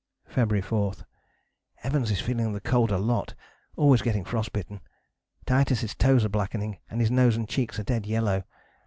February 4: "Evans is feeling the cold a lot, always getting frost bitten. Titus' toes are blackening, and his nose and cheeks are dead yellow.